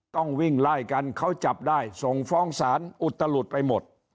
ต้องวิ่งไล่กันเขาจับได้ส่งฟ้องศาลอุตลุดไปหมด